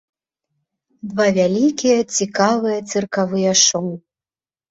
Два вялікія цікавыя цыркавыя шоу.